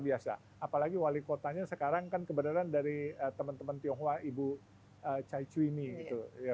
biasa apalagi wali kotanya sekarang kan kebenaran dari teman teman tionghoa ibu chai chuimi gitu ya